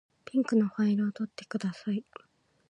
ピンクのファイルを取ってください。